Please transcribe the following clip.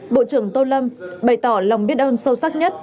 bộ trưởng tô lâm bày tỏ lòng biết ơn sâu sắc nhất